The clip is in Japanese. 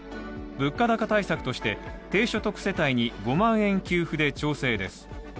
物価高対策として低所得世帯に５万円給付で調整です。